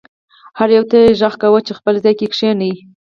هر یو ته یې غږ کاوه چې خپل ځای کې کښېنه.